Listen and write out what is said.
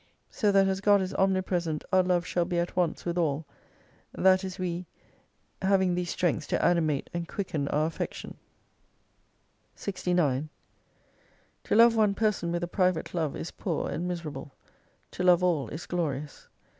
So that as God is omnipresent our love shall be at once with all : that is we : having these strengths to animate and quicken our affection. 69 ■ To love one person with a private love is poor and miserable : to love all is glorious.